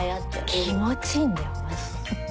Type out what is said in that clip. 気持ちいいんだよマジで。